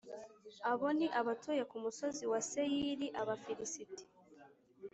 Abo ni abatuye ku musozi wa Seyiri, Abafilisiti,